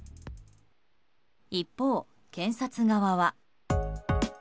一方、検察側は。